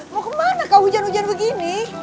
mau kemana kalau hujan hujan begini